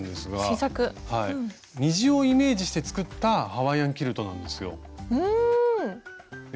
虹をイメージして作ったハワイアンキルトなんですよ。